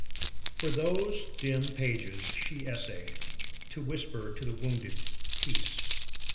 From those dim pages she essayed To whisper to the wounded, "Peace!"